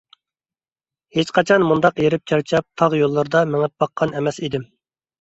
ھېچقاچان مۇنداق ھېرىپ - چارچاپ، تاغ يوللىرىدا مېڭىپ باققان ئەمەس ئىدىم!